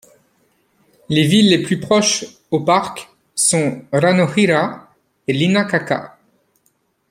Les villes les plus proches au parc sont Ranohira et Ilakaka.